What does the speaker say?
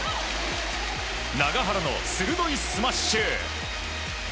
永原の鋭いスマッシュ！